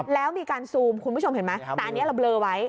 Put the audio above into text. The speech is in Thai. แล้วมีการซูมคุณผู้ชมเห็นไหมแต่อันนี้เราเบลอไว้